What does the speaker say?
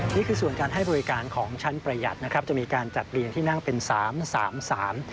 นี่คือส่วนการให้บริการของชั้นประหยัดนะครับจะมีการจัดเรียงที่นั่งเป็นสามสามสาม